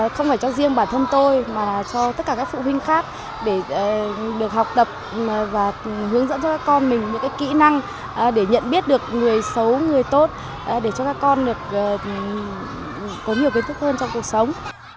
không phải cho riêng bản thân tôi mà cho tất cả các phụ huynh khác để được học tập và hướng dẫn cho các con mình những kỹ năng để nhận biết được người xấu người tốt để cho các con được có nhiều kiến thức hơn trong cuộc sống